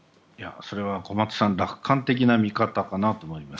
小松さん、それは楽観的な見方かなと思います。